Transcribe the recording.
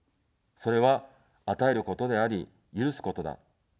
それは与えることであり、許すことだ。